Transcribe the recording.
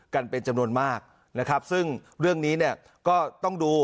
กันเป็นจำนวนมากนะครับซึ่งเรื่องนี้เนี่ยก็ต้องดู